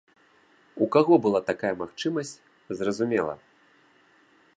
У каго была такая магчымасць, зразумела.